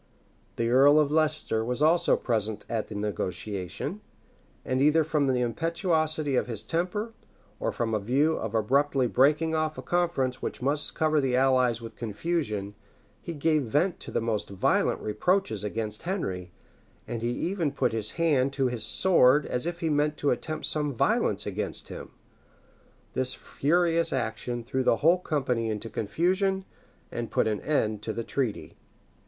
[] The earl of Leicester was also present at the negotiation; and either from the impetuosity of his temper, or from a view of abruptly breaking off a conference which must cover the allies with confusion, he gave vent to the most violent reproaches against Henry, and he even put his hand to his sword, as if he meant to attempt some violence against him. This furious action threw the whole company into confusion, and put an end to the treaty.